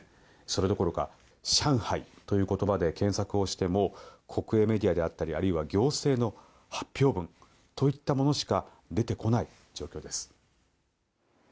それどころか上海という言葉で検索をしても国営メディアであったりあるいは行政の発表文しか出てこない状況です。